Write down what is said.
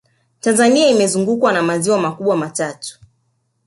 tanzania imezungukwa na maziwa makubwa matatu